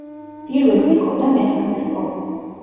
პირველი რკო და მესამე რკო.